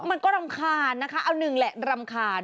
มันก็รำคาญนะคะเอาหนึ่งแหละรำคาญ